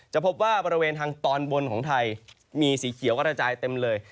พบว่าบริเวณทางตอนบนของไทยมีสีเขียวกระจายเต็มเลย